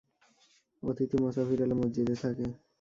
অতিথি মোসাফির এলে মসজিদে থাকে।